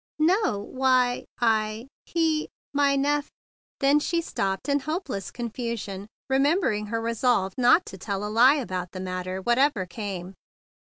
"No, why—I—he—my neph " then she stopped in hopeless confusion, remembering her resolve not to tell a lie about the matter, whatever came.